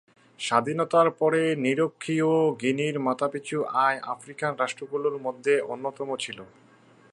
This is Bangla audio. স্বাধীনতার পরে নিরক্ষীয় গিনির মাথাপিছু আয় আফ্রিকান রাষ্ট্রগুলোর মধ্যে অন্যতম সর্বোচ্চ ছিল।